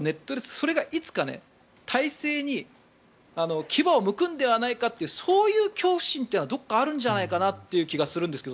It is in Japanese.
それがいつか体制に牙をむくんではないかというそういう恐怖心はどこかあるんじゃないかなという気がするんですけど